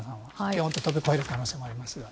ぴょんと飛び越える可能性もありますが。